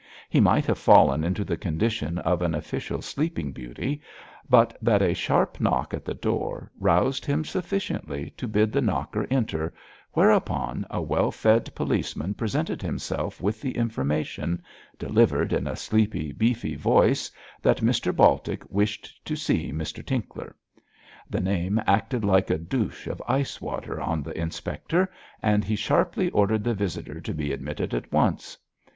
He might have fallen into the condition of an official sleeping beauty, but that a sharp knock at the door roused him sufficiently to bid the knocker enter, whereupon a well fed policeman presented himself with the information delivered in a sleepy, beefy voice that Mr Baltic wished to see Mr Tinkler. The name acted like a douche of iced water on the inspector, and he sharply ordered the visitor to be admitted at once.